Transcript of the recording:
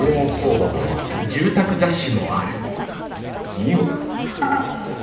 ２億？